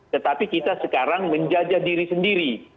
tetapi kita sekarang menjajah diri sendiri